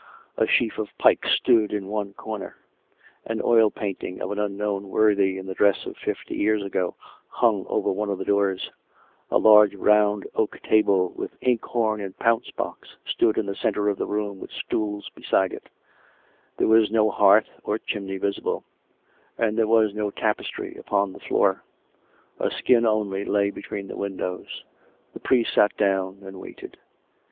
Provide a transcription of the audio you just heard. A sheaf of pikes stood in one corner; an oil portrait of an unknown worthy in the dress of fifty years ago hung over one of the doors; a large round oak table, with ink horn and pounce box. COME RACK! COME ROPE! 303 stood in the centre of the room with stools beside it: there was no hearth or chimney visible; and there was no tapes try upon the floor: a skin only lay between the windows. The priest sat down and waited.